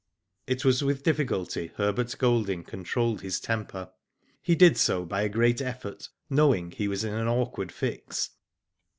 It was with difficulty Herbert Golding controlled his temper. He did so by a great effort, knowing he was in an awkward fix.